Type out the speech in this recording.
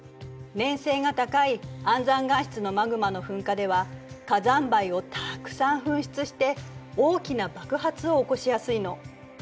粘性が高い安山岩質のマグマの噴火では火山灰をたくさん噴出して大きな爆発を起こしやすいの。